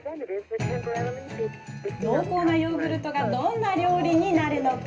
濃厚なヨーグルトがどんな料理になるのか？